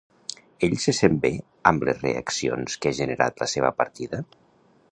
Ell se sent bé amb les reaccions que ha generat la seva partida?